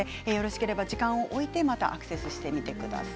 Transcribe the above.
時間をおいてまたアクセスしてみてください。